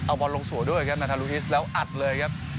เอาบอลลงสั่วด้วยครับแล้วอัดเลยครับ